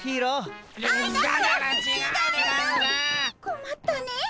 こまったねえ。